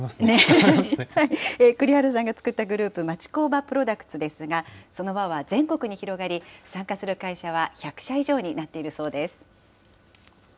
栗原さんが作ったグループ、町工場プロダクツですが、その輪は全国に広がり、参加する会社は１００社以上になっているそうです。